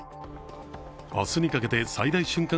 明日にかけて最大瞬間